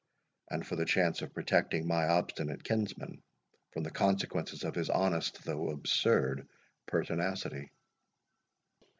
and for the chance of protecting my obstinate kinsman from the consequences of his honest though absurd pertinacity."